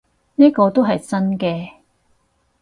呢個都係新嘅